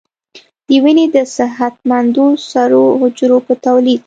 د وینې د صحتمندو سرو حجرو په تولید